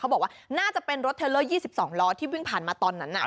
บอกว่าน่าจะเป็นรถเทลเลอร์๒๒ล้อที่วิ่งผ่านมาตอนนั้นน่ะ